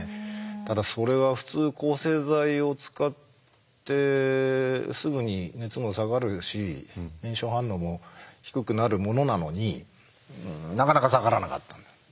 ただそれは普通抗生剤を使ってすぐに熱も下がるし炎症反応も低くなるものなのになかなか下がらなかった。